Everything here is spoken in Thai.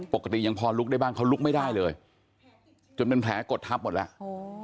ยังพอลุกได้บ้างเขาลุกไม่ได้เลยจนเป็นแผลกดทับหมดแล้ว